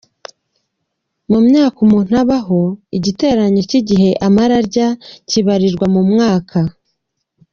Mu myaka umuntu abaho ,igiteranyo k’igihe amara arya kibarirwa mu myaka .